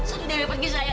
satria pergi saya